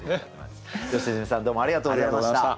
良純さんどうもありがとうございました。